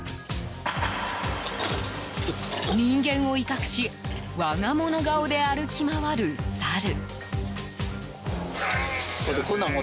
人間を威嚇し我が物顔で歩き回るサル。